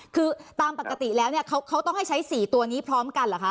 คือตามปกติแล้วเนี่ยเขาต้องให้ใช้๔ตัวนี้พร้อมกันเหรอคะ